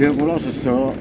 ini belum sejak